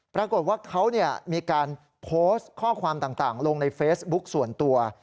ปรากฏว่าเขามีการโพสต์ข้อความต่างลงในเฟซบุ๊คส่วนตัว